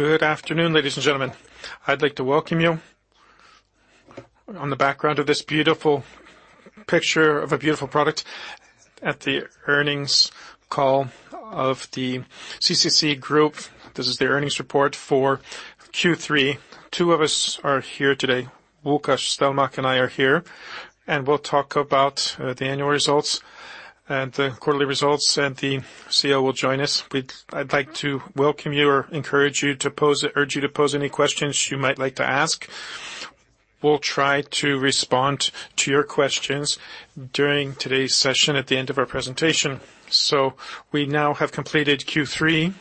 Good afternoon, ladies and gentlemen. I'd like to welcome you on the background of this beautiful picture of a beautiful product at the Earnings Call of the CCC Group. This is the earnings report for Q3. Two of us are here today, Łukasz Stelmach and I are here, and we'll talk about the annual results and the quarterly results, and the CEO will join us. I'd like to welcome you or encourage you to pose, urge you to pose any questions you might like to ask. We'll try to respond to your questions during today's session at the end of our presentation. So we now have completed Q3,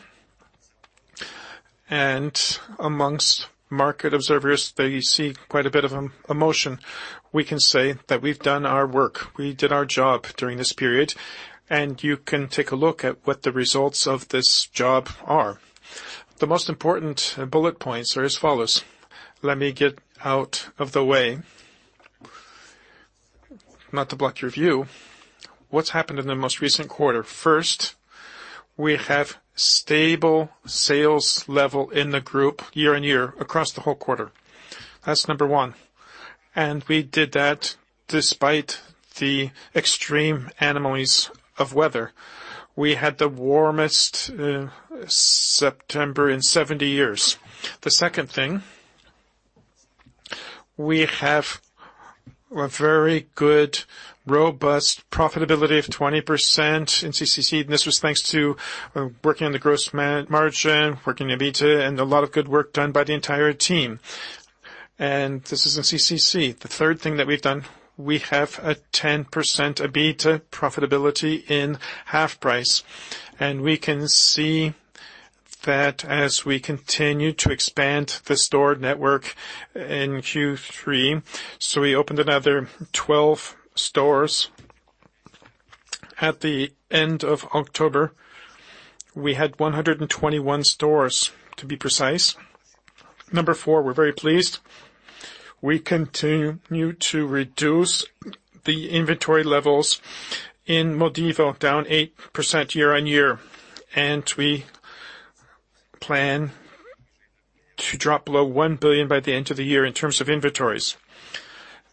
and amongst market observers that they see quite a bit of emotion. We can say that we've done our work. We did our job during this period, and you can take a look at what the results of this job are. The most important bullet points are as follows. Let me get out of the way, not to block your view. What's happened in the most recent quarter? First, we have stable sales level in the group year-on-year across the whole quarter. That's number one, and we did that despite the extreme anomalies of weather. We had the warmest September in 70 years. The second thing, we have a very good, robust profitability of 20% in CCC, and this was thanks to working on the gross margin, working in EBITDA, and a lot of good work done by the entire team. And this is in CCC. The third thing that we've done, we have a 10% EBITDA profitability in HalfPrice, and we can see that as we continue to expand the store network in Q3. We opened another 12 stores. At the end of October, we had 121 stores, to be precise. Number 4, we're very pleased. We continue to reduce the inventory levels in Modivo, down 8% year-on-year, and we plan to drop below 1 billion by the end of the year in terms of inventories.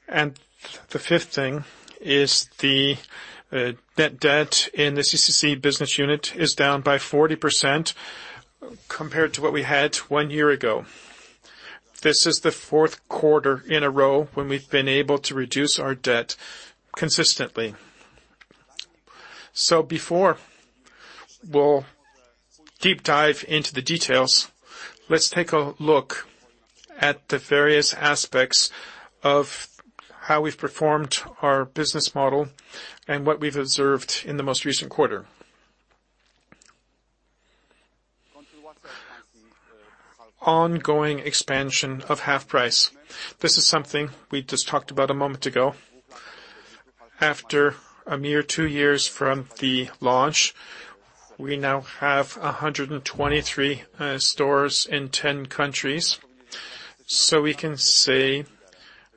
The fifth thing is the net debt in the CCC business unit is down by 40% compared to what we had one year ago. This is the fourth quarter in a row when we've been able to reduce our debt consistently. Before we'll deep dive into the details, let's take a look at the various aspects of how we've performed our business model and what we've observed in the most recent quarter. Ongoing expansion of HalfPrice. This is something we just talked about a moment ago. After a mere two years from the launch, we now have 123 stores in 10 countries. So we can say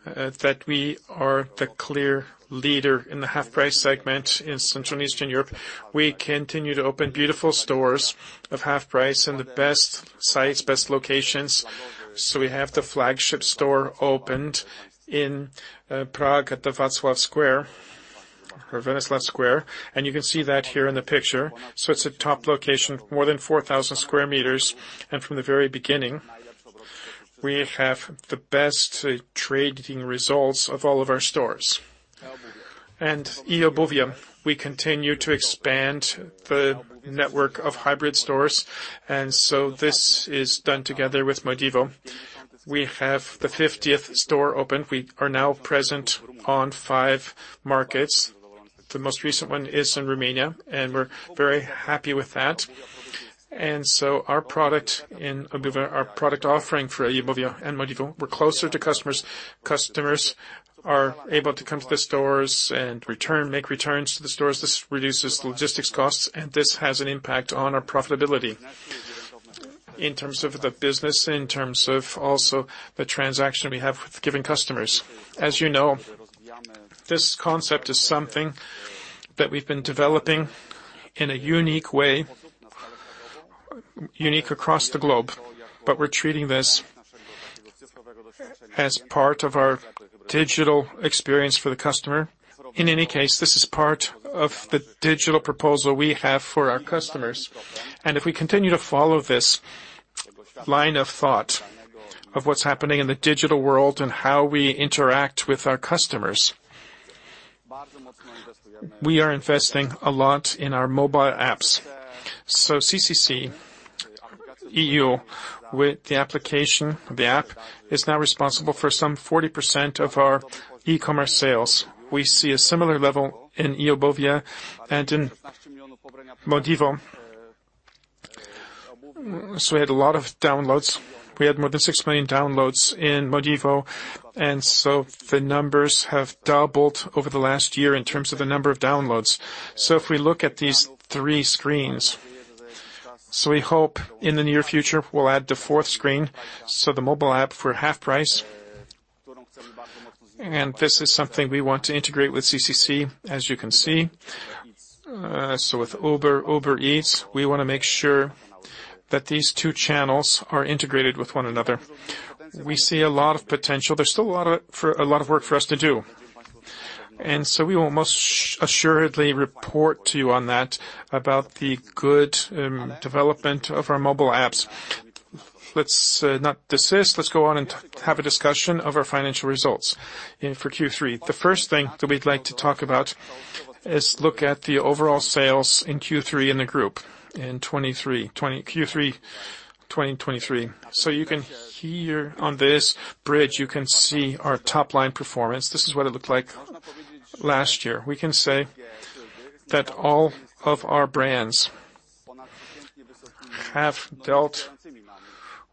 that we are the clear leader in the HalfPrice segment in Central and Eastern Europe. We continue to open beautiful stores of HalfPrice in the best sites, best locations. So we have the flagship store opened in Prague at Wenceslas Square, or Wenceslas Square, and you can see that here in the picture. It's a top location, more than 4,000 sq m, and from the very beginning, we have the best trading results of all of our stores. Eobuwie, we continue to expand the network of hybrid stores, and so this is done together with Modivo. We have the 50th store open. We are now present on five markets. The most recent one is in Romania, and we're very happy with that. Our product in Eobuwie, our product offering for Eobuwie and Modivo, we're closer to customers. Customers are able to come to the stores and return, make returns to the stores. This reduces logistics costs, and this has an impact on our profitability in terms of the business, in terms of also the transaction we have with given customers. As you know, this concept is something that we've been developing in a unique way, unique across the globe, but we're treating this as part of our digital experience for the customer. In any case, this is part of the digital proposal we have for our customers. If we continue to follow this line of thought of what's happening in the digital world and how we interact with our customers, we are investing a lot in our mobile apps. CCC.eu, with the application, the app, is now responsible for some 40% of our e-commerce sales. We see a similar level in Eobuwie and in Modivo. We had a lot of downloads. We had more than six million downloads in Modivo, and the numbers have doubled over the last year in terms of the number of downloads. If we look at these three screens. So we hope in the near future, we'll add the fourth screen, so the mobile app for HalfPrice. And this is something we want to integrate with CCC, as you can see. So with Uber, Uber Eats, we want to make sure that these two channels are integrated with one another. We see a lot of potential. There's still a lot of work for us to do, and so we will most assuredly report to you on that, about the good development of our mobile apps. Let's not desist. Let's go on and have a discussion of our financial results for Q3. The first thing that we'd like to talk about is look at the overall sales in Q3 in the group, in Q3 2023. So you can here on this bridge, you can see our top line performance. This is what it looked like last year. We can say that all of our brands have dealt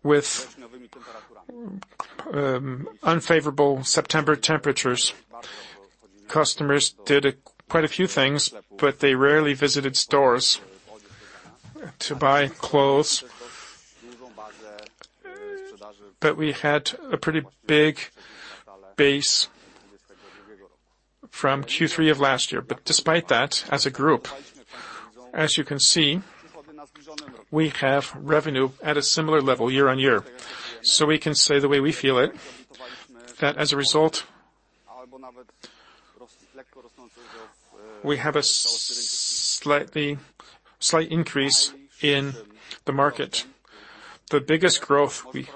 with unfavorable September temperatures. Customers did a quite a few things, but they rarely visited stores to buy clothes. But we had a pretty big base from Q3 of last year. But despite that, as a group, as you can see, we have revenue at a similar level year-on-year. So we can say the way we feel it, that as a result, we have a slight increase in the market. The biggest growth we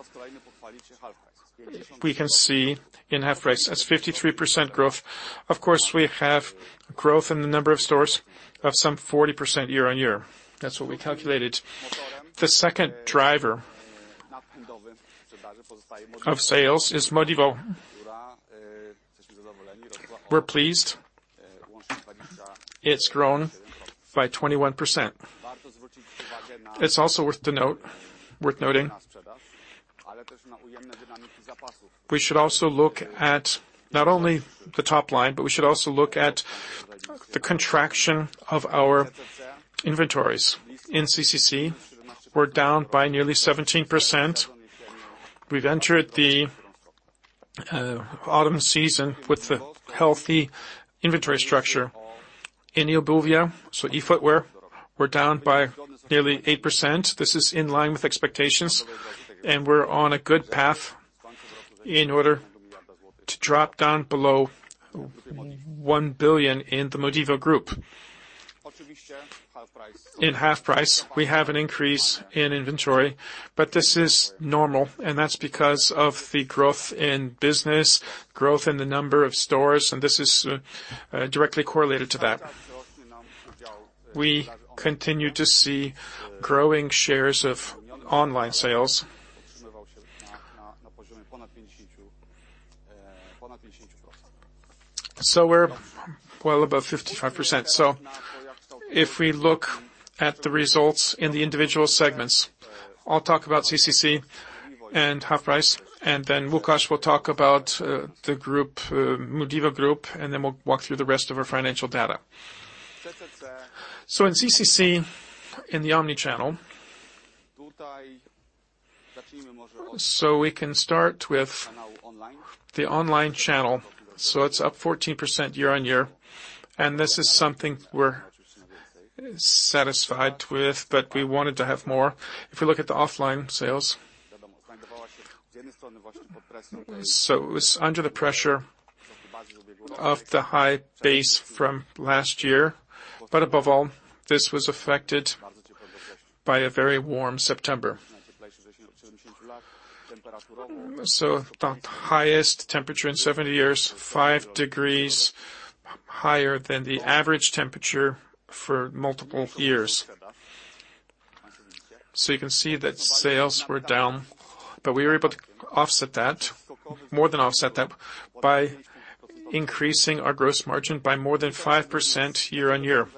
can see in HalfPrice, that's 53% growth. Of course, we have growth in the number of stores of some 40% year-on-year. That's what we calculated. The second driver of sales is Modivo. We're pleased it's grown by 21%. It's also worth noting. We should also look at not only the top line, but we should also look at the contraction of our inventories. In CCC, we're down by nearly 17%. We've entered the autumn season with a healthy inventory structure. In Eobuwie, so e-footwear, we're down by nearly 8%. This is in line with expectations, and we're on a good path in order to drop down below 1 billion in the Modivo Group. In HalfPrice, we have an increase in inventory, but this is normal, and that's because of the growth in business, growth in the number of stores, and this is directly correlated to that. We continue to see growing shares of online sales. So we're well above 55%. So if we look at the results in the individual segments, I'll talk about CCC and HalfPrice, and then Lukasz will talk about the Modivo Group, and then we'll walk through the rest of our financial data. So in CCC, in the omnichannel, so we can start with the online channel. So it's up 14% year-on-year, and this is something we're satisfied with, but we wanted to have more. If we look at the offline sales, so it was under the pressure of the high base from last year, but above all, this was affected by a very warm September. So the highest temperature in 70 years, 5 degrees higher than the average temperature for multiple years. So you can see that sales were down, but we were able to offset that, more than offset that, by increasing our gross margin by more than 5% year-on-year.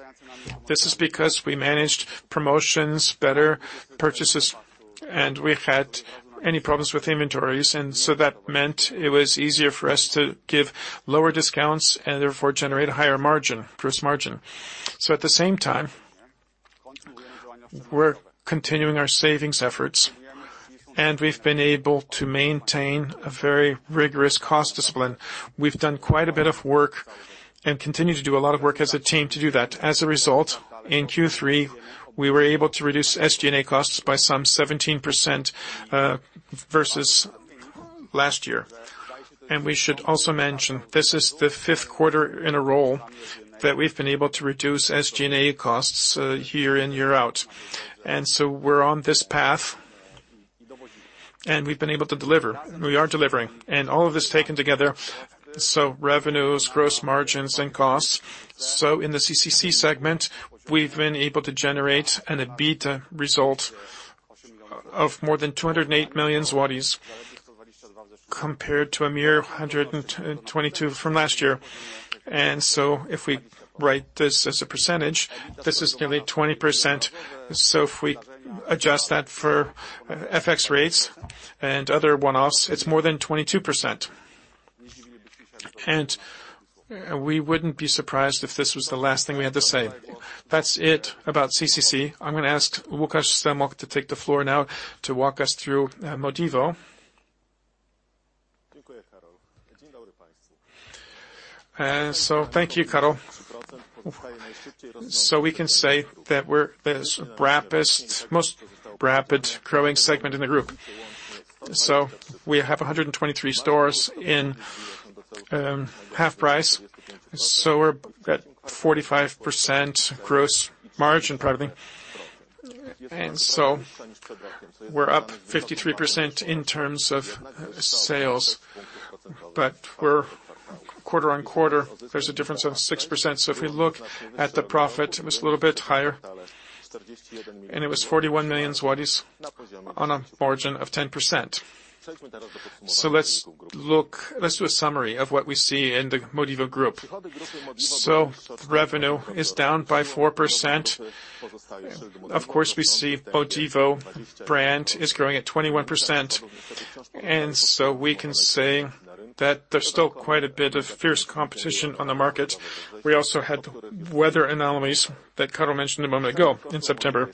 This is because we managed promotions, better purchases, and we haven't had any problems with inventories, and so that meant it was easier for us to give lower discounts and therefore generate a higher margin, gross margin. So at the same time, we're continuing our savings efforts, and we've been able to maintain a very rigorous cost discipline. We've done quite a bit of work and continue to do a lot of work as a team to do that. As a result, in Q3, we were able to reduce SG&A costs by some 17%, versus last year. We should also mention, this is the fifth quarter in a row that we've been able to reduce SG&A costs year in, year out. So we're on this path, and we've been able to deliver. We are delivering. All of this taken together, so revenues, gross margins, and costs. In the CCC segment, we've been able to generate an EBITDA result of more than 208 million zlotys, compared to a mere 122 million from last year. If we write this as a percentage, this is nearly 20%. If we adjust that for FX rates and other one-offs, it's more than 22%. We wouldn't be surprised if this was the last thing we had to say. That's it about CCC. I'm going to ask Łukasz Stelmach to take the floor now to walk us through Modivo. So thank you, Karol. So we can say that we're the fastest, most rapid growing segment in the group. So we have 123 stores in HalfPrice, so we're at 45% gross margin, presently. So we're up 53% in terms of sales, but we're quarter-on-quarter, there's a difference of 6%. So if we look at the profit, it was a little bit higher, and it was 41 million zlotys on a margin of 10%. Let's do a summary of what we see in the Modivo Group. So revenue is down by 4%. Of course, we see Modivo brand is growing at 21%, and so we can say that there's still quite a bit of fierce competition on the market. We also had weather anomalies that Karol mentioned a moment ago in September.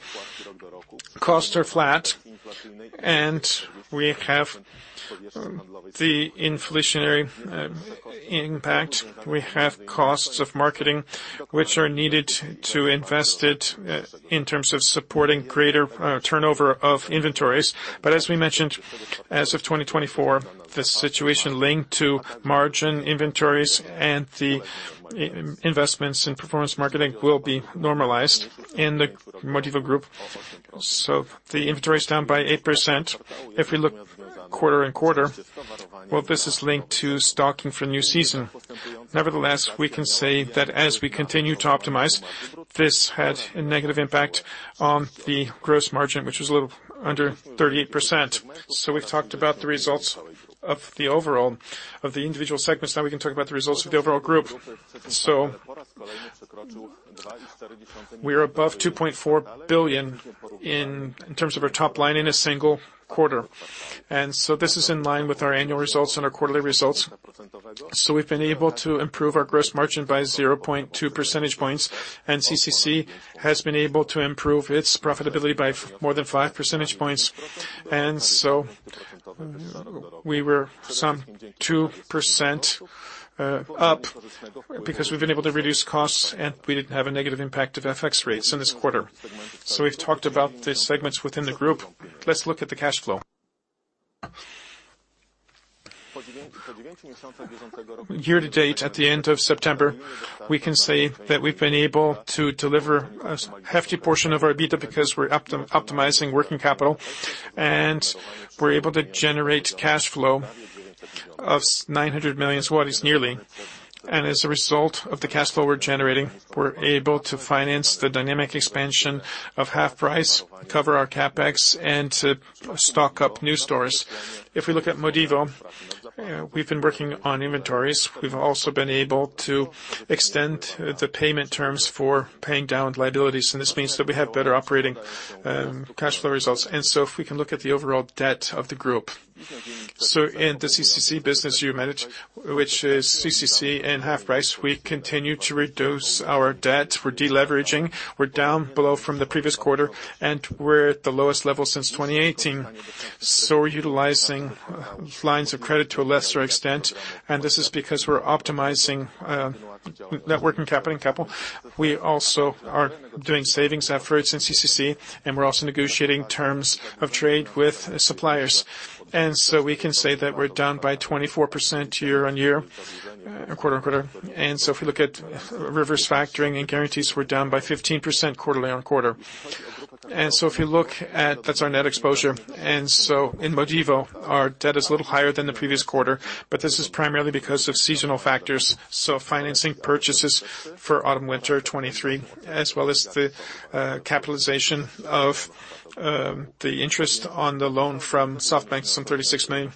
Costs are flat, and we have the inflationary impact. We have costs of marketing, which are needed to invest it in terms of supporting greater turnover of inventories. But as we mentioned, as of 2024, the situation linked to margin inventories and the investments in performance marketing will be normalized in the Modivo Group. So the inventory is down by 8%. If we look quarter-over-quarter, well, this is linked to stocking for new season. Nevertheless, we can say that as we continue to optimize, this had a negative impact on the gross margin, which was a little under 38%. So we've talked about the results of the overall, of the individual segments, now we can talk about the results of the overall group. So we are above 2.4 billion in terms of our top line in a single quarter. And so this is in line with our annual results and our quarterly results. So we've been able to improve our gross margin by 0.2 percentage points, and CCC has been able to improve its profitability by more than 5 percentage points. And so we were some 2% up because we've been able to reduce costs, and we didn't have a negative impact of FX rates in this quarter. So we've talked about the segments within the group. Let's look at the cash flow. Year-to-date, at the end of September, we can say that we've been able to deliver a hefty portion of our EBITDA because we're optimizing working capital, and we're able to generate cash flow of 900 million zlotys, nearly. As a result of the cash flow we're generating, we're able to finance the dynamic expansion of HalfPrice, cover our CapEx, and to stock up new stores. If we look at Modivo, we've been working on inventories. We've also been able to extend the payment terms for paying down liabilities, and this means that we have better operating cash flow results. So if we can look at the overall debt of the group. In the CCC business unit, which is CCC and HalfPrice, we continue to reduce our debt. We're deleveraging. We're down below from the previous quarter, and we're at the lowest level since 2018. So we're utilizing lines of credit to a lesser extent, and this is because we're optimizing, networking capital and capital. We also are doing savings efforts in CCC, and we're also negotiating terms of trade with suppliers. And so we can say that we're down by 24% year-over-year, quarter-over-quarter. And so if we look at reverse factoring and guarantees, we're down by 15% quarter-over-quarter. And so if you look at, that's our net exposure. And so in Modivo, our debt is a little higher than the previous quarter, but this is primarily because of seasonal factors, so financing purchases for autumn, winter 2023, as well as the, capitalization of the interest on the loan from SoftBank, some 36 million.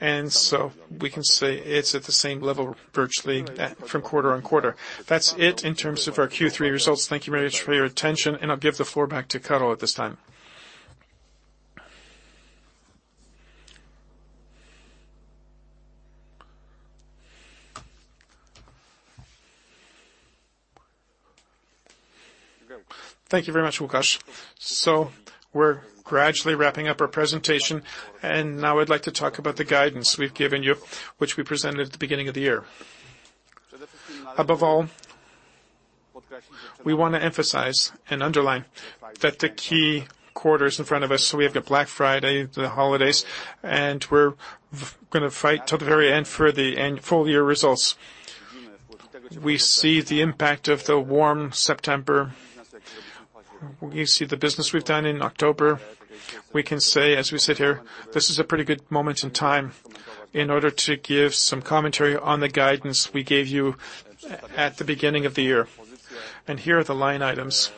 And so we can say it's at the same level, virtually, at, from quarter on quarter. That's it in terms of our Q3 results. Thank you very much for your attention, and I'll give the floor back to Karol at this time. Thank you very much, Łukasz. So we're gradually wrapping up our presentation, and now I'd like to talk about the guidance we've given you, which we presented at the beginning of the year. Above all, we want to emphasize and underline that the key quarter is in front of us, so we have got Black Friday, the holidays, and we're going to fight until the very end for the end full-year results. We see the impact of the warm September. We see the business we've done in October. We can say, as we sit here, this is a pretty good moment in time in order to give some commentary on the guidance we gave you at the beginning of the year. Here are the line items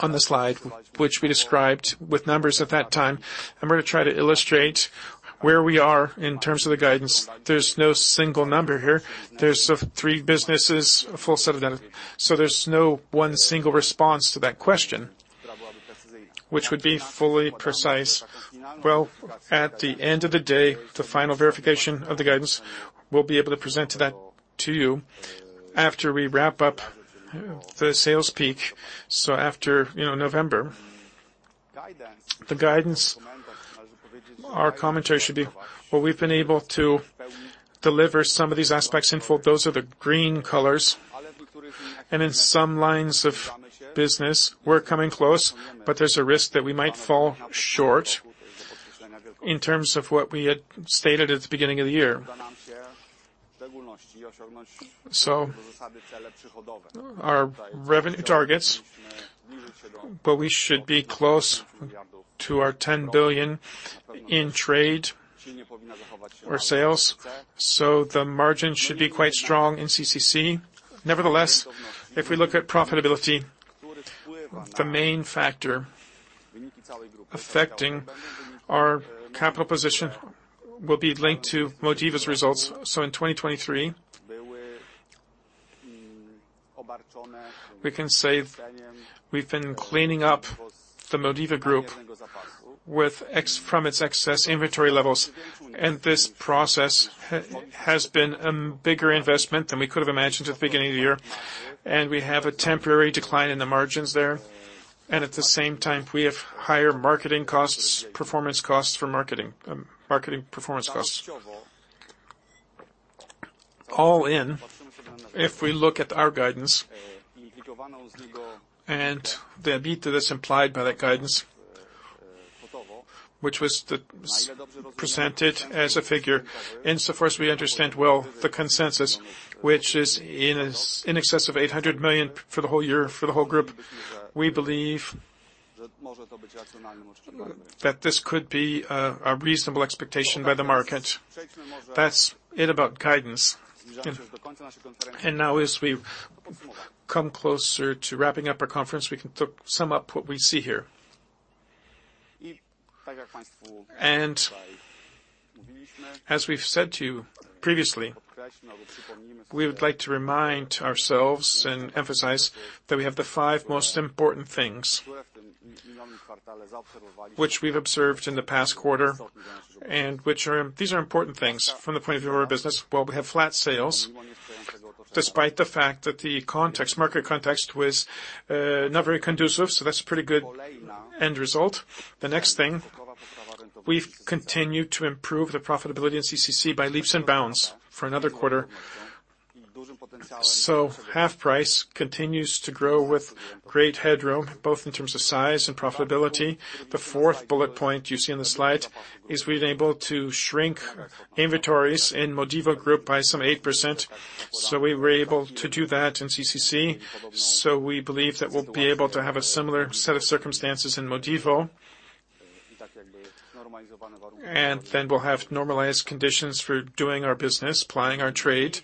on the slide, which we described with numbers at that time. I'm going to try to illustrate where we are in terms of the guidance. There's no single number here. There's three businesses, a full set of data, so there's no one single response to that question, which would be fully precise. Well, at the end of the day, the final verification of the guidance, we'll be able to present to that to you after we wrap up the sales peak, so after, you know, November. The guidance, our commentary should be, well, we've been able to deliver some of these aspects in full. Those are the green colors, and in some lines of business, we're coming close, but there's a risk that we might fall short in terms of what we had stated at the beginning of the year. So our revenue targets, but we should be close to our 10 billion in trade or sales, so the margin should be quite strong in CCC. Nevertheless, if we look at profitability, the main factor affecting our capital position will be linked to Modivo's results. So in 2023, we can say we've been cleaning up the Modivo Group from its excess inventory levels, and this process has been a bigger investment than we could have imagined at the beginning of the year. And we have a temporary decline in the margins there, and at the same time, we have higher marketing costs, performance costs for marketing, marketing performance costs. All in, if we look at our guidance and the EBITDA that's implied by that guidance, which was presented as a figure, and so first, we understand well the consensus, which is in excess of 800 million for the whole year, for the whole group. We believe that this could be a reasonable expectation by the market. That's it about guidance. And now, as we come closer to wrapping up our conference, we can sum up what we see here. And as we've said to you previously, we would like to remind ourselves and emphasize that we have the five most important things, which we've observed in the past quarter. These are important things from the point of view of our business, while we have flat sales, despite the fact that the context, market context was not very conducive, so that's a pretty good end result. The next thing, we've continued to improve the profitability in CCC by leaps and bounds for another quarter. So HalfPrice continues to grow with great headroom, both in terms of size and profitability. The fourth bullet point you see on the slide is we're able to shrink inventories in Modivo Group by some 8%, so we were able to do that in CCC. So we believe that we'll be able to have a similar set of circumstances in Modivo, and then we'll have normalized conditions for doing our business, plying our trade.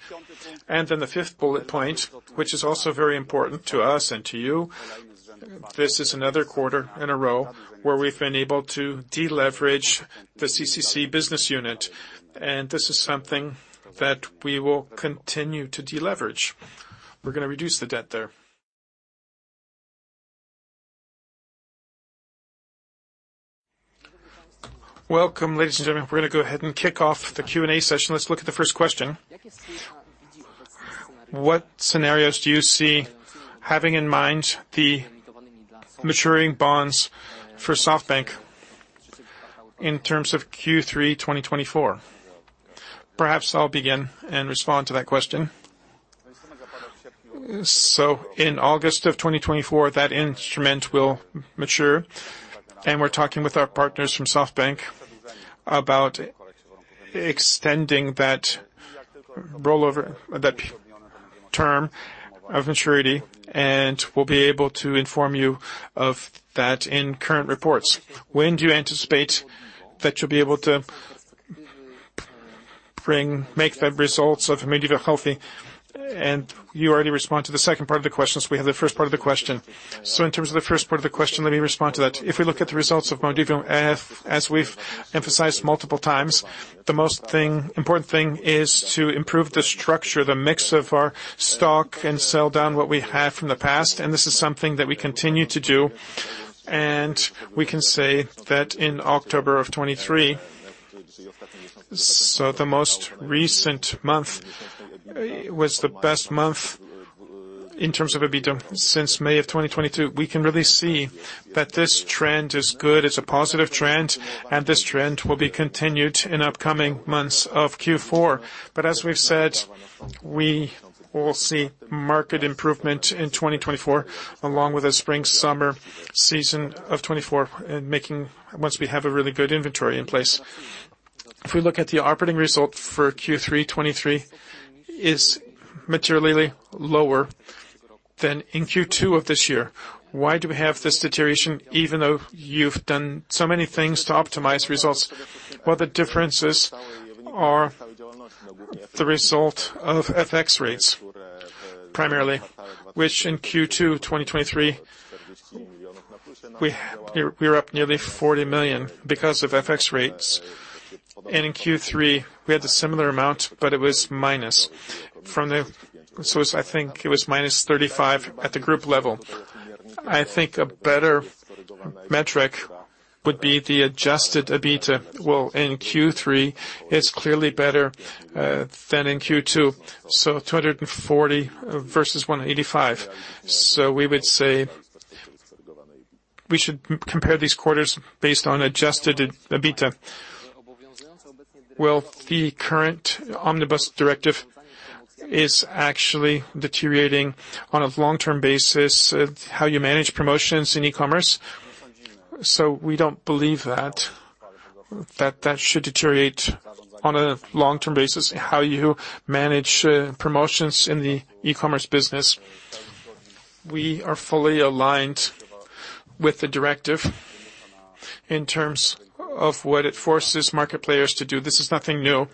Then the fifth bullet point, which is also very important to us and to you, this is another quarter in a row where we've been able to deleverage the CCC business unit, and this is something that we will continue to deleverage. We're going to reduce the debt there. Welcome, ladies and gentlemen. We're going to go ahead and kick off the Q&A session. Let's look at the first question. What scenarios do you see having in mind the maturing bonds for SoftBank in terms of Q3 2024? Perhaps I'll begin and respond to that question. So in August of 2024, that instrument will mature, and we're talking with our partners from SoftBank about extending that rollover, that term of maturity, and we'll be able to inform you of that in current reports. When do you anticipate that you'll be able to bring, make the results of Modivo healthy? You already responded to the second part of the question, so we have the first part of the question. In terms of the first part of the question, let me respond to that. If we look at the results of Modivo, as we've emphasized multiple times, the most important thing is to improve the structure, the mix of our stock, and sell down what we have from the past, and this is something that we continue to do. We can say that in October 2023, so the most recent month was the best month in terms of EBITDA since May 2022. We can really see that this trend is good, it's a positive trend, and this trend will be continued in upcoming months of Q4. But as we've said, we will see market improvement in 2024, along with the spring, summer season of 2024, and, once we have a really good inventory in place. If we look at the operating result for Q3 2023, is materially lower than in Q2 of this year. Why do we have this deterioration, even though you've done so many things to optimize results? Well, the differences are the result of FX rates, primarily, which in Q2 2023, we're up nearly 40 million because of FX rates. And in Q3, we had a similar amount, but it was minus. So it's, I think, it was -35 million at the group level. I think a better metric would be the adjusted EBITDA. Well, in Q3, it's clearly better than in Q2, so 240 million versus 185 million. So we would say, we should compare these quarters based on adjusted EBITDA. Well, the current Omnibus Directive is actually deteriorating on a long-term basis, of how you manage promotions in e-commerce. So we don't believe that should deteriorate on a long-term basis. How you manage promotions in the e-commerce business? We are fully aligned with the directive in terms of what it forces market players to do. This is nothing new.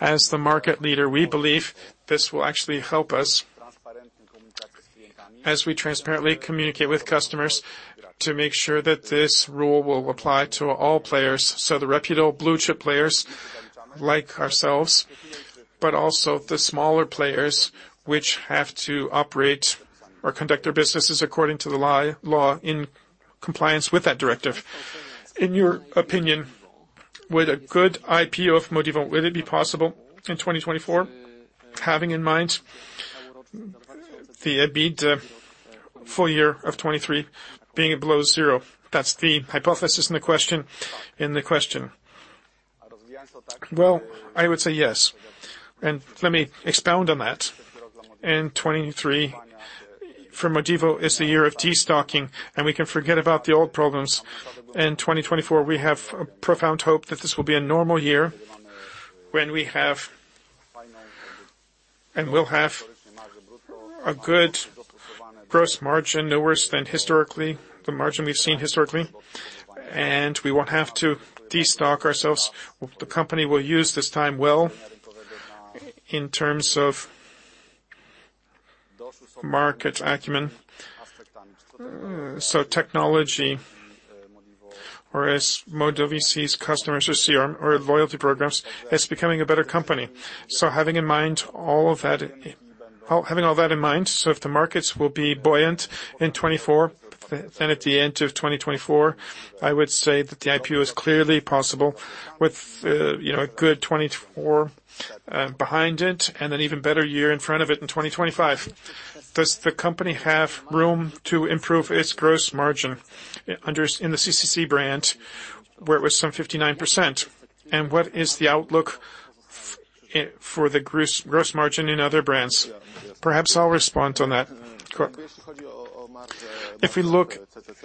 As the market leader, we believe this will actually help us, as we transparently communicate with customers, to make sure that this rule will apply to all players. So the reputable blue-chip players, like ourselves, but also the smaller players, which have to operate or conduct their businesses according to the law, in compliance with that directive. In your opinion, with a good IPO of Modivo, will it be possible in 2024, having in mind the EBIT, full-year of 2023 being below zero? That's the hypothesis in the question, in the question. Well, I would say yes, and let me expound on that. In 2023, for Modivo, is the year of destocking, and we can forget about the old problems. In 2024, we have a profound hope that this will be a normal year. And we'll have a good gross margin, no worse than historically, the margin we've seen historically, and we won't have to destock ourselves. The company will use this time well, in terms of market acumen. So technology, or as Modivo sees customers, or CRM, or loyalty programs, it's becoming a better company. So having in mind all of that, having all that in mind, so if the markets will be buoyant in 2024, then at the end of 2024, I would say that the IPO is clearly possible with, you know, a good 2024 behind it, and an even better year in front of it in 2025. Does the company have room to improve its gross margin in the CCC brand, where it was some 59%? And what is the outlook for the gross, gross margin in other brands? Perhaps I'll respond on that. If we look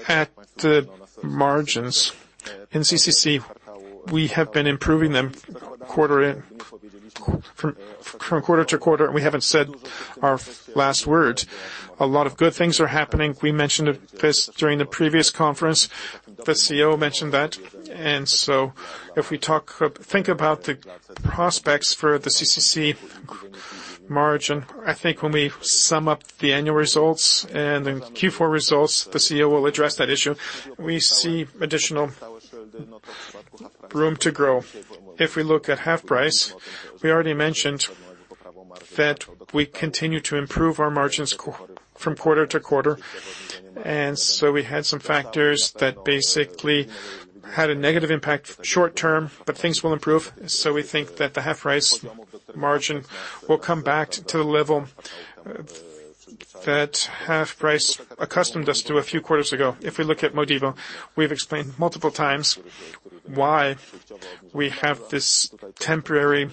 at the margins in CCC, we have been improving them quarter from quarter to quarter, and we haven't said our last word. A lot of good things are happening. We mentioned this during the previous conference. The CEO mentioned that. And so if we think about the prospects for the CCC margin, I think when we sum up the annual results and then Q4 results, the CEO will address that issue. We see additional room to grow. If we look at HalfPrice, we already mentioned that we continue to improve our margins from quarter to quarter, and so we had some factors that basically had a negative impact short term, but things will improve. So we think that the HalfPrice margin will come back to the level that HalfPrice accustomed us to a few quarters ago. If we look at Modivo, we've explained multiple times why we have this temporary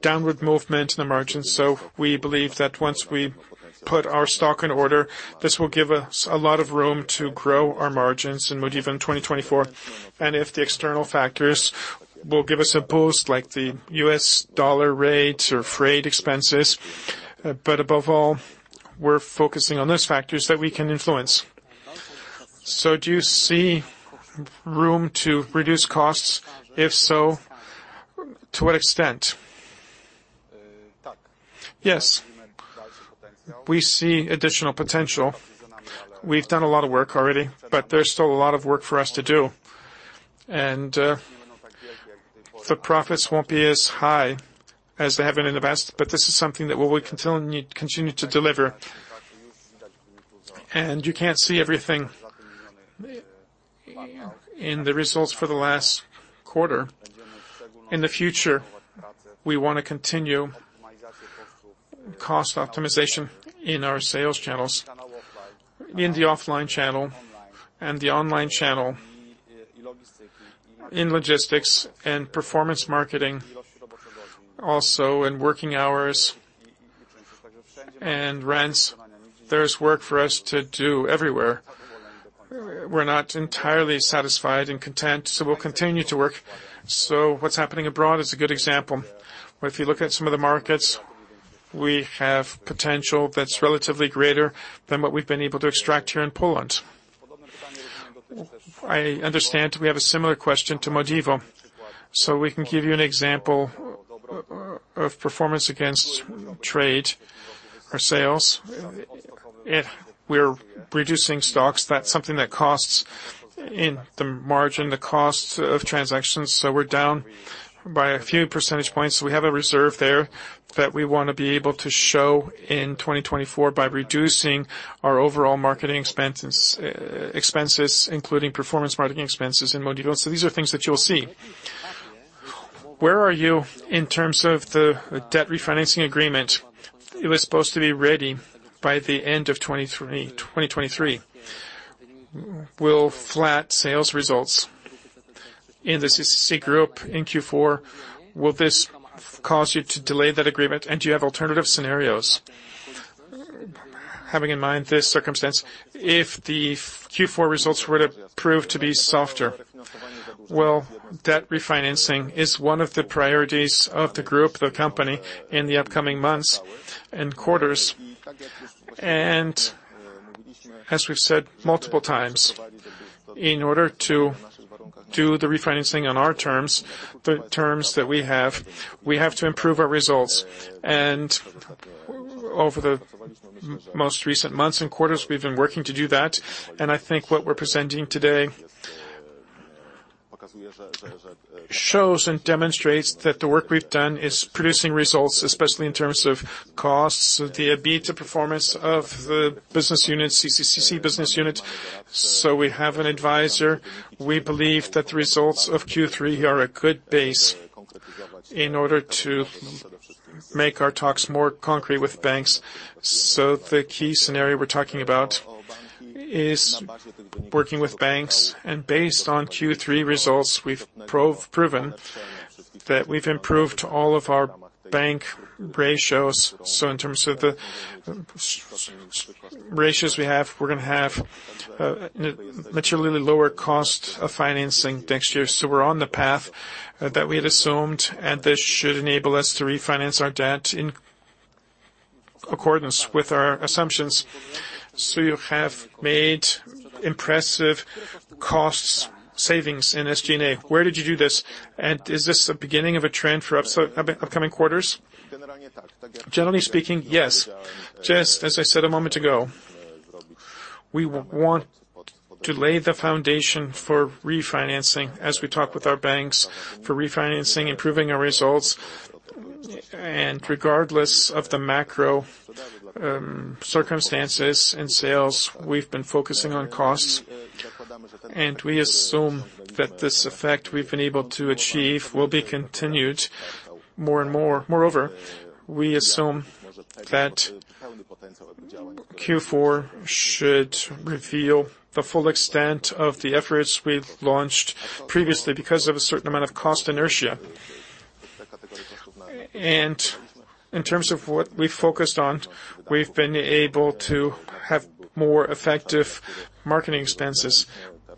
downward movement in the margins. So we believe that once we put our stock in order, this will give us a lot of room to grow our margins in Modivo in 2024. If the external factors will give us a boost, like the U.S. dollar rates or freight expenses, but above all, we're focusing on those factors that we can influence. So do you see room to reduce costs? If so, to what extent? Yes. We see additional potential. We've done a lot of work already, but there's still a lot of work for us to do. The profits won't be as high as they have been in the past, but this is something that we will continue to deliver. You can't see everything in the results for the last quarter. In the future, we want to continue cost optimization in our sales channels, in the offline channel and the online channel, in logistics and performance marketing, also in working hours and rents. There's work for us to do everywhere. We're not entirely satisfied and content, so we'll continue to work. So what's happening abroad is a good example. If you look at some of the markets, we have potential that's relatively greater than what we've been able to extract here in Poland. I understand we have a similar question to Modivo. So we can give you an example of performance against trade or sales, if we're reducing stocks, that's something that costs in the margin, the cost of transactions. So we're down by a few percentage points. We have a reserve there that we want to be able to show in 2024 by reducing our overall marketing expenses, including performance marketing expenses in Modivo. So these are things that you'll see. Where are you in terms of the debt refinancing agreement? It was supposed to be ready by the end of 2023, 2023. Will flat sales results in the CCC Group in Q4 will this cause you to delay that agreement? And do you have alternative scenarios having in mind this circumstance, if the Q4 results were to prove to be softer? well, debt refinancing is one of the priorities of the group, the company, in the upcoming months and quarters. And as we've said multiple times, in order to do the refinancing on our terms, the terms that we have, we have to improve our results. And over the most recent months and quarters, we've been working to do that, and I think what we're presenting today shows and demonstrates that the work we've done is producing results, especially in terms of costs, the EBITDA performance of the business unit, CCC business unit. So we have an advisor. We believe that the results of Q3 are a good base in order to make our talks more concrete with banks. So the key scenario we're talking about is working with banks, and based on Q3 results, we've proven that we've improved all of our bank ratios. So in terms of the same ratios we have, we're going to have materially lower cost of financing next year. So we're on the path that we had assumed, and this should enable us to refinance our debt in accordance with our assumptions. So you have made impressive cost savings in SG&A. Where did you do this? And is this the beginning of a trend for upcoming quarters? Generally speaking, yes. Just as I said a moment ago, we want to lay the foundation for refinancing as we talk with our banks, for refinancing, improving our results. Regardless of the macro circumstances and sales, we've been focusing on costs, and we assume that this effect we've been able to achieve will be continued more and more. Moreover, we assume that Q4 should reveal the full extent of the efforts we've launched previously because of a certain amount of cost inertia. In terms of what we focused on, we've been able to have more effective marketing expenses.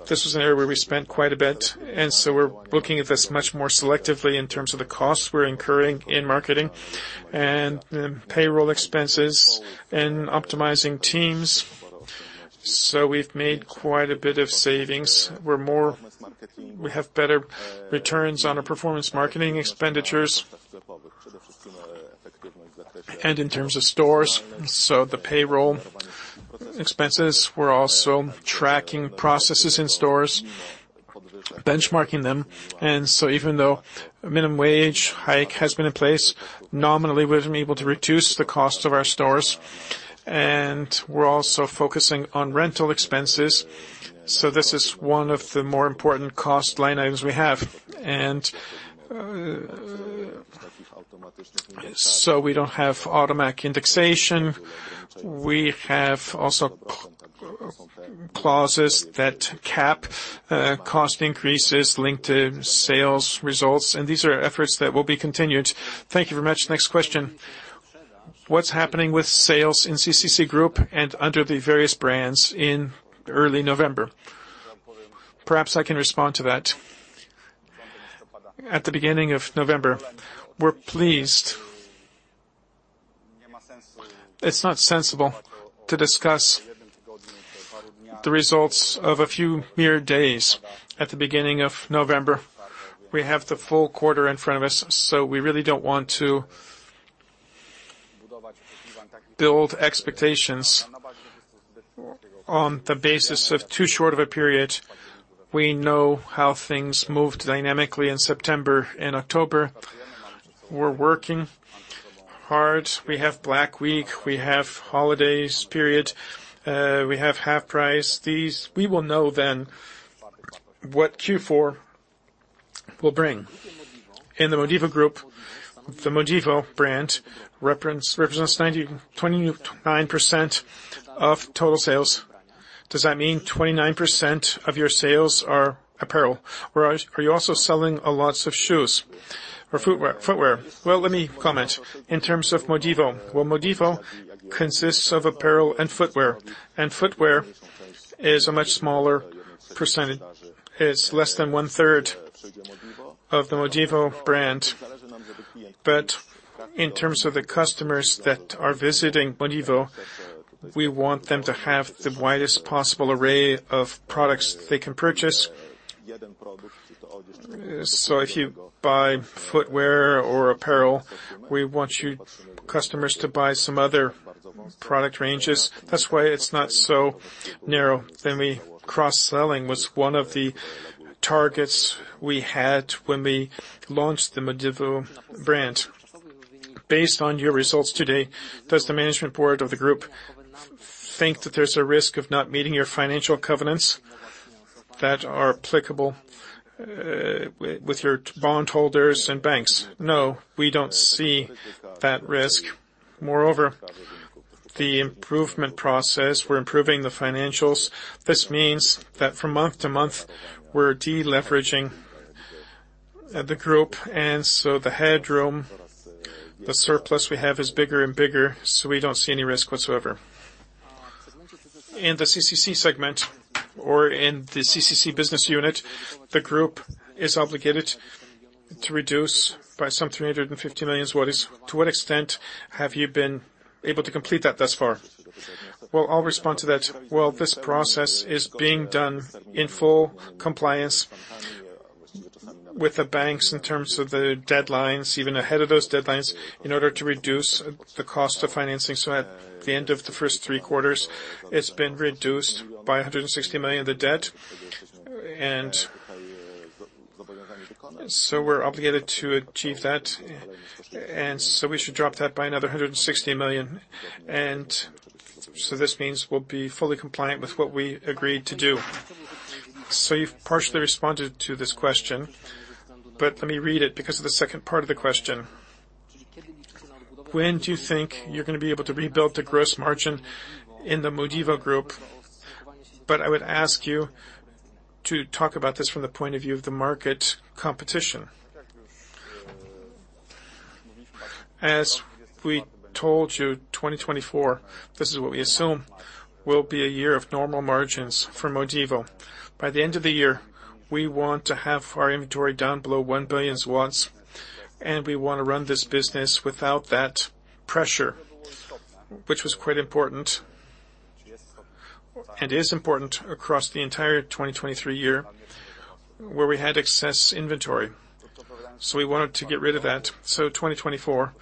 This was an area where we spent quite a bit, and so we're looking at this much more selectively in terms of the costs we're incurring in marketing and payroll expenses and optimizing teams. We've made quite a bit of savings. We have better returns on our performance marketing expenditures. In terms of stores, the payroll expenses, we're also tracking processes in stores, benchmarking them. And so even though a minimum wage hike has been in place, nominally, we've been able to reduce the cost of our stores, and we're also focusing on rental expenses. So this is one of the more important cost line items we have. And, so we don't have automatic indexation. We have also clauses that cap cost increases linked to sales results, and these are efforts that will be continued. Thank you very much. Next question: What's happening with sales in CCC Group and under the various brands in early November? Perhaps I can respond to that. At the beginning of November, we're pleased. It's not sensible to discuss the results of a few mere days at the beginning of November. We have the full quarter in front of us, so we really don't want to build expectations on the basis of too short of a period. We know how things moved dynamically in September and October. We're working hard. We have Black Week, we have holidays period, we have HalfPrice. Then, we will know what Q4 will bring in the Modivo Group. The Modivo brand revenue represents 92.9% of total sales. Does that mean 29% of your sales are apparel, or are you also selling a lot of shoes or footwear, footwear? Well, let me comment in terms of Modivo. Well, Modivo consists of apparel and footwear, and footwear is a much smaller percentage, is less than 1/3 of the Modivo brand. But in terms of the customers that are visiting Modivo, we want them to have the widest possible array of products they can purchase. So if you buy footwear or apparel, we want you, customers to buy some other product ranges. That's why it's not so narrow. Cross-selling was one of the targets we had when we launched the Modivo brand. Based on your results today, does the management board of the group think that there's a risk of not meeting your financial covenants that are applicable with your bondholders and banks? No, we don't see that risk. Moreover, the improvement process, we're improving the financials. This means that from month to month, we're de-leveraging the group, and so the headroom, the surplus we have, is bigger and bigger, so we don't see any risk whatsoever. In the CCC segment or in the CCC business unit, the group is obligated to reduce by some 350 million. To what extent have you been able to complete that thus far? Well, I'll respond to that. Well, this process is being done in full compliance with the banks in terms of the deadlines, even ahead of those deadlines, in order to reduce the cost of financing. So at the end of the first three quarters, it's been reduced by 160 million, the debt. And so we're obligated to achieve that, and so we should drop that by another 160 million. And so this means we'll be fully compliant with what we agreed to do. So you've partially responded to this question, but let me read it because of the second part of the question. When do you think you're going to be able to rebuild the gross margin in the Modivo Group? But I would ask you to talk about this from the point of view of the market competition. As we told you, 2024, this is what we assume, will be a year of normal margins for Modivo. By the end of the year, we want to have our inventory down below 1 billion, and we want to run this business without that pressure, which was quite important, and is important across the entire 2023 year, where we had excess inventory. So we wanted to get rid of that. So 2024,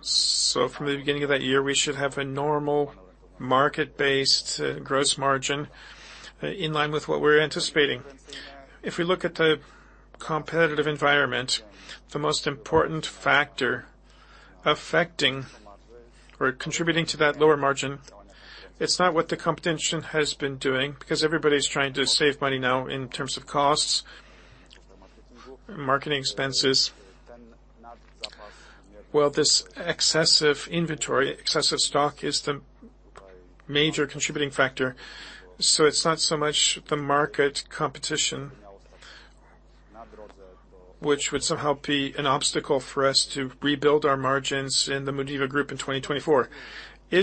so from the beginning of that year, we should have a normal market-based gross margin in line with what we're anticipating. If we look at the competitive environment, the most important factor affecting or contributing to that lower margin, it's not what the competition has been doing, because everybody's trying to save money now in terms of costs, marketing expenses. Well, this excessive inventory, excessive stock, is the major contributing factor. So it's not so much the market competition, which would somehow be an obstacle for us to rebuild our margins in the Modivo Group in 2024. Do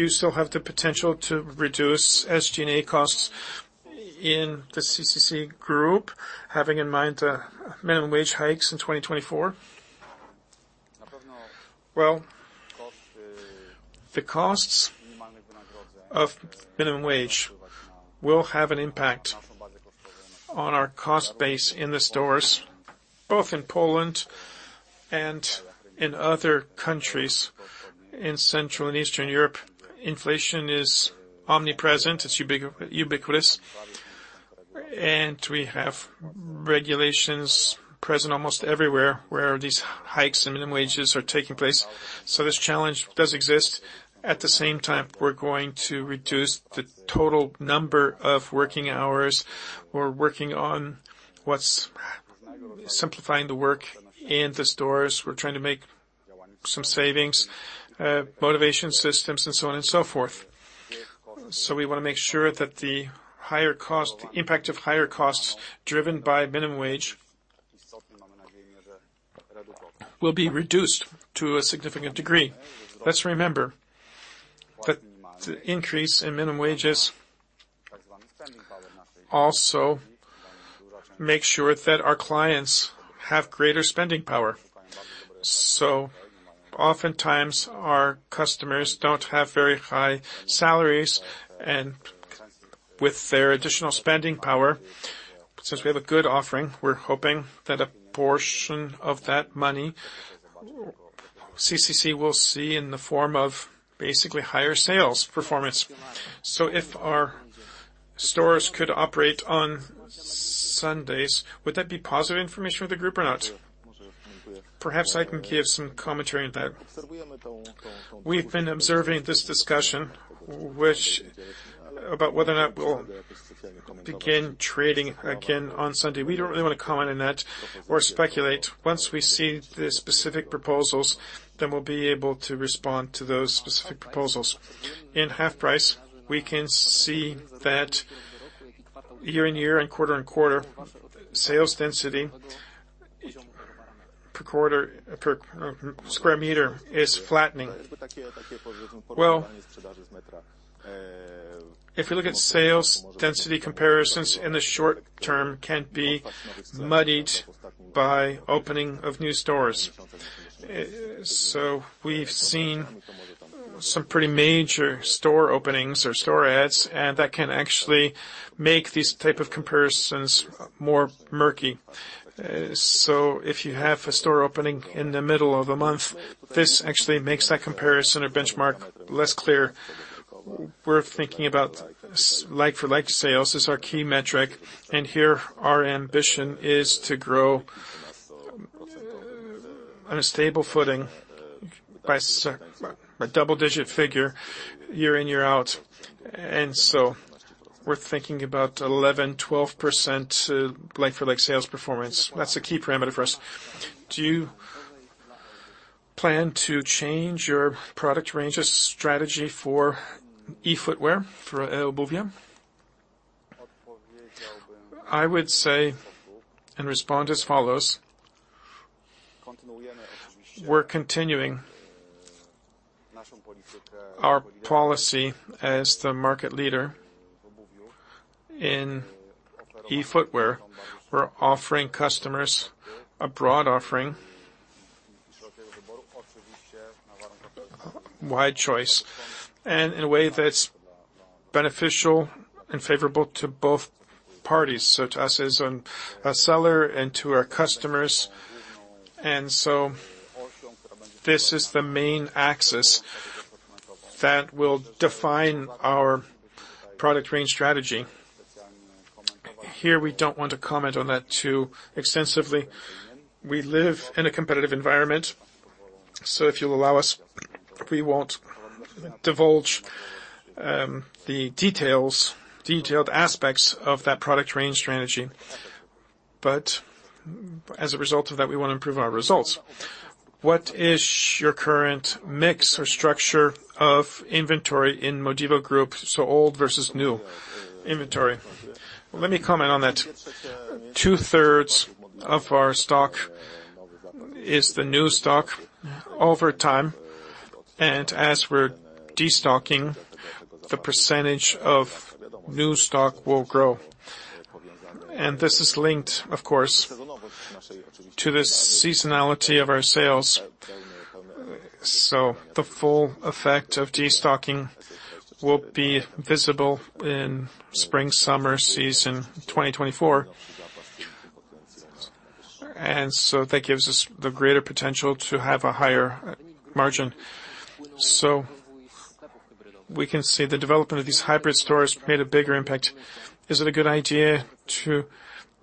you still have the potential to reduce SG&A costs in the CCC Group, having in mind the minimum wage hikes in 2024? Well, the costs of minimum wage will have an impact on our cost base in the stores, both in Poland and in other countries. In Central and Eastern Europe, inflation is omnipresent, it's ubiquitous, and we have regulations present almost everywhere, where these hikes in minimum wages are taking place. So this challenge does exist. At the same time, we're going to reduce the total number of working hours. We're working on what's simplifying the work in the stores. We're trying to make some savings, motivation systems, and so on and so forth. So we want to make sure that the higher cost, the impact of higher costs driven by minimum wage, will be reduced to a significant degree. Let's remember that the increase in minimum wages also make sure that our clients have greater spending power. So oftentimes, our customers don't have very high salaries, and with their additional spending power, since we have a good offering, we're hoping that a portion of that money, CCC will see in the form of basically higher sales performance. So if our stores could operate on Sundays, would that be positive information for the group or not? Perhaps I can give some commentary on that. We've been observing this discussion about whether or not we'll begin trading again on Sunday. We don't really want to comment on that or speculate. Once we see the specific proposals, then we'll be able to respond to those specific proposals. In HalfPrice, we can see that year-on-year, and quarter-on-quarter, sales density per square meter, is flattening. Well, if you look at sales density comparisons in the short term can be muddied by opening of new stores. So we've seen some pretty major store openings or store adds, and that can actually make these type of comparisons more murky. So if you have a store opening in the middle of a month, this actually makes that comparison or benchmark less clear. We're thinking about like-for-like sales as our key metric, and here our ambition is to grow on a stable footing by a double-digit figure year in, year out. And so we're thinking about 11%-12% like-for-like sales performance. That's a key parameter for us. Do you plan to change your product ranges strategy for e-footwear for Eobuwie? I would say and respond as follows: we're continuing our policy as the market leader in e-footwear. We're offering customers a broad offering, wide choice, and in a way that's beneficial and favorable to both parties, So to us as an, a seller and to our customers. And so this is the main axis that will define our product range strategy. Here, we don't want to comment on that too extensively. We live in a competitive environment, so if you'll allow us, we won't divulge detailed aspects of that product range strategy. But as a result of that, we want to improve our results. What is your current mix or structure of inventory in Modivo Group, so old versus new inventory? Let me comment on that. Two-thirds of our stock is the new stock over time, and as we're destocking, the percentage of new stock will grow. And this is linked, of course, to the seasonality of our sales. So the full effect of destocking will be visible in spring, summer season, 2024. And so that gives us the greater potential to have a higher margin. So we can see the development of these hybrid stores made a bigger impact. Is it a good idea to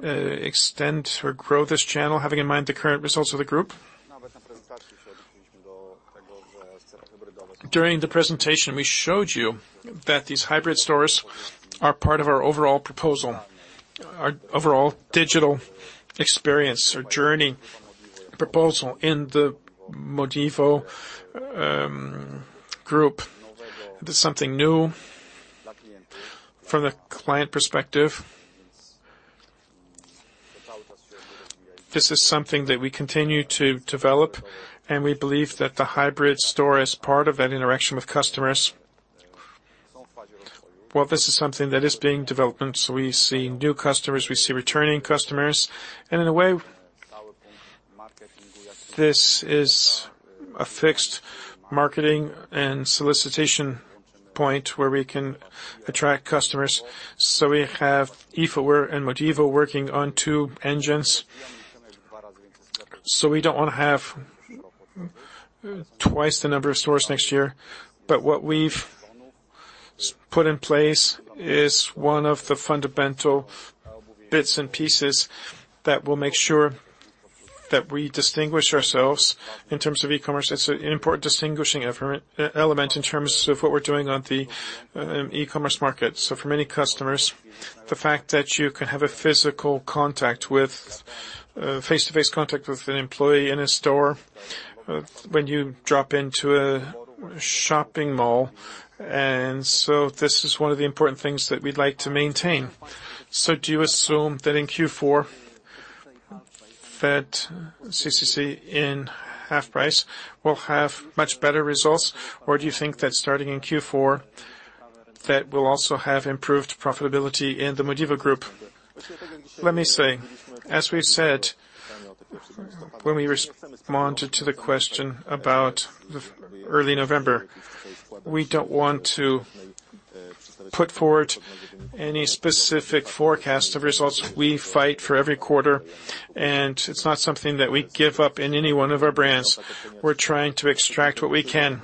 extend or grow this channel, having in mind the current results of the group? During the presentation, we showed you that these hybrid stores are part of our overall proposal, our overall digital experience or journey proposal in the Modivo Group. It is something new from a client perspective. This is something that we continue to develop, and we believe that the hybrid store is part of that interaction with customers. Well, this is something that is being developed, so we see new customers, we see returning customers, and in a way, this is a fixed marketing and solicitation point where we can attract customers. So we have Eobuwie and Modivo working on two engines, so we don't want to have twice the number of stores next year. But what we've put in place is one of the fundamental bits and pieces that will make sure that we distinguish ourselves in terms of e-commerce. It's an important distinguishing element in terms of what we're doing on the, e-commerce market. So for many customers, the fact that you can have a physical contact with, face-to-face contact with an employee in a store when you drop into a shopping mall, and so this is one of the important things that we'd like to maintain. So do you assume that in Q4, that CCC in HalfPrice will have much better results, or do you think that starting in Q4, that will also have improved profitability in the Modivo Group? Let me say, as we said, when we responded to the question about the early November, we don't want to put forward any specific forecast of results. We fight for every quarter, and it's not something that we give up in any one of our brands. We're trying to extract what we can.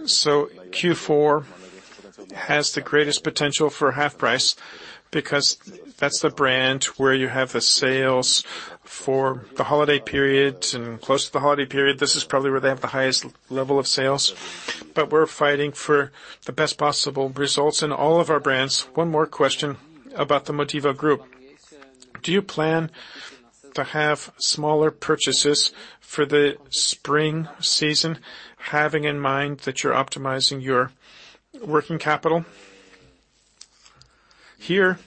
Q4 has the greatest potential for HalfPrice, because that's the brand where you have the sales for the holiday period, and close to the holiday period, this is probably where they have the highest level of sales. But we're fighting for the best possible results in all of our brands. One more question about the Modivo Group. Do you plan to have smaller purchases for the spring season, having in mind that you're optimizing your working capital? Here,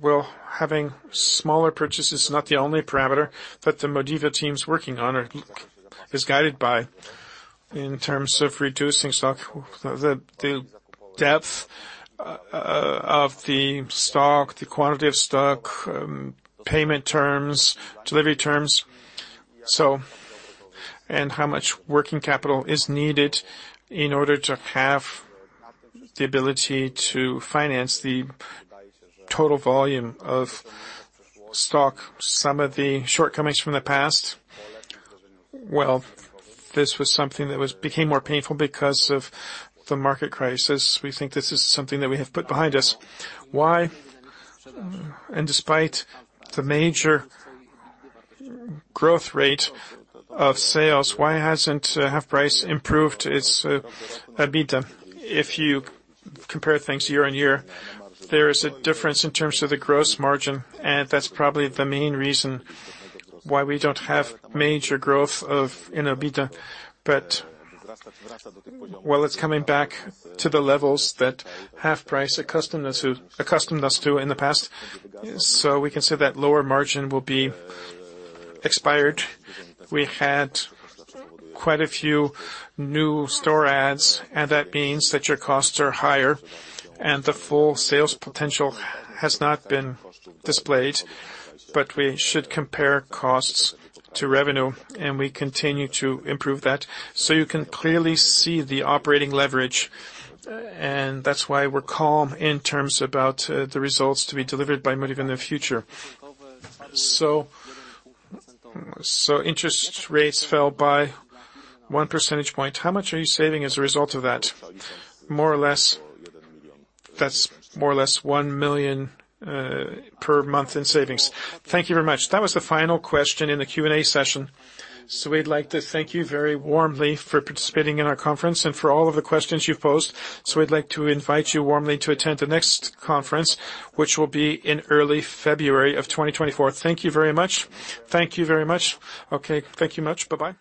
well, having smaller purchases is not the only parameter that the Modivo team is working on or is guided by in terms of reducing stock. The depth of the stock, the quantity of stock, payment terms, delivery terms. So, and how much working capital is needed in order to have the ability to finance the total volume of stock, some of the shortcomings from the past? Well, this was something that was became more painful because of the market crisis. We think this is something that we have put behind us. Why, and despite the major growth rate of sales, why hasn't HalfPrice improved its EBITDA? If you compare things year-on-year, there is a difference in terms of the gross margin, and that's probably the main reason why we don't have major growth of in EBITDA. But well, it's coming back to the levels that HalfPrice accustomed us to in the past. So we can say that lower margin will be expired. We had quite a few new store ads, and that means that your costs are higher and the full sales potential has not been displayed. But we should compare costs to revenue, and we continue to improve that. So you can clearly see the operating leverage, and that's why we're calm in terms about the results to be delivered by Modivo in the future. So interest rates fell by one percentage point. How much are you saving as a result of that? More or less, that's more or less 1 million per month in savings. Thank you very much. That was the final question in the Q&A session. We'd like to thank you very warmly for participating in our conference and for all of the questions you've posed. We'd like to invite you warmly to attend the next conference, which will be in early February of 2024. Thank you very much. Thank you very much. Okay, thank you much. Bye-bye.